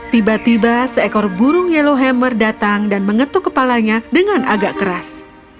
tiba tiba seekor burung yellow hammer datang dan mengetuk kepalanya dengan agak keras